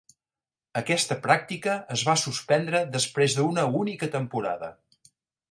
Aquesta pràctica es va suspendre després d'una única temporada.